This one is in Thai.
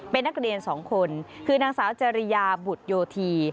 เป็นนักเรียน๒คนคือนางสาวจริยาบุตรโยธี